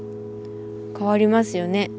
変わりますよね。